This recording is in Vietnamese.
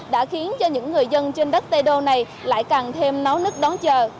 đã khiến cho những người dân trên đất tây đô này lại càng thêm náu nứt đón chờ